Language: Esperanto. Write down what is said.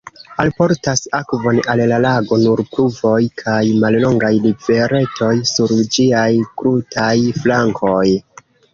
Alportas akvon al la lago nur pluvoj kaj mallongaj riveretoj sur ĝiaj krutaj flankoj.